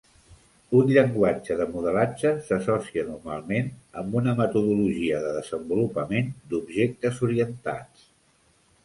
Un llenguatge de modelatge s'associa normalment amb una metodologia de desenvolupament d'objectes orientats.